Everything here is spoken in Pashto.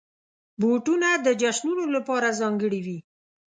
بوټونه د جشنونو لپاره ځانګړي وي.